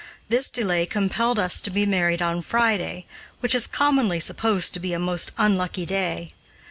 This delay compelled us to be married on Friday, which is commonly supposed to be a most unlucky day.